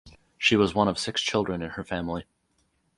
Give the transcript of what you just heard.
She was one of six children in her family.